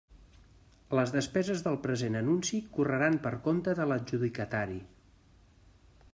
Les despeses del present anunci correran per compte de l'adjudicatari.